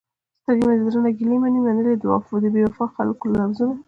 سترګې د زړه نه ګېله منې، منلې تا د بې وفاء خلکو لوظونه